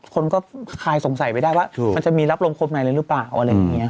คนก็คายสงสัยไปได้ว่ามันจะมีรับลมคมไหนเลยหรือเปล่า